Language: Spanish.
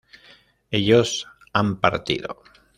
ellos han partido